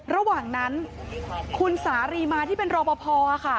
ระหว่างนั้นคุณสารีมาที่เป็นรอปภค่ะ